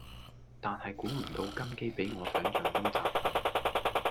但係估唔到根基比我想像中紮實